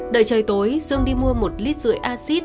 đợi trời tối dương đi mua một lít rưỡi acid